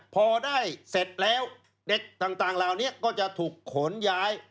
พอได้เสร็จแล้วเด็กต่างเหล่านี้ก็จะถูกขนย้าย